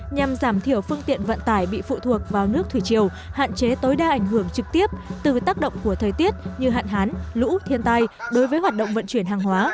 nhằm giảm thiểu phương tiện vận tải bị phụ thuộc vào nước thủy chiều hạn chế tối đa ảnh hưởng trực tiếp từ tác động của thời tiết như hạn hán lũ thiên tai đối với hoạt động vận chuyển hàng hóa